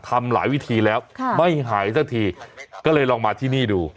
ทำหลายวิธีแล้วไม่หายสักทีก็เลยลองมาที่นี่ดู